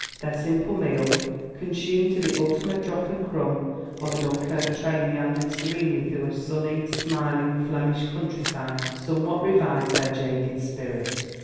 Their simple meal, consumed to the ultimate drop and crumb while the Dunkerque train meandered serenely through a sunny, smiling Flemish countryside, somewhat revived their jaded spirits.